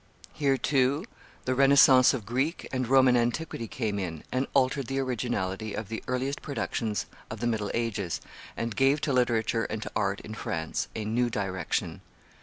Here, too, the Renaissance of Greek and Roman antiquity came in, and altered the originality of the earliest productions of the middle ages, and gave to literature and to art in France a new direction.